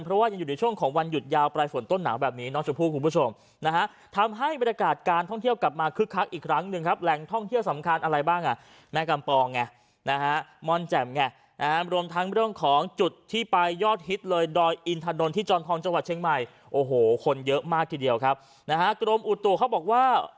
เพราะว่ายังอยู่ในช่วงของวันหยุดยาว